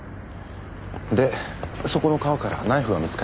でそこの川からナイフが見つかりました。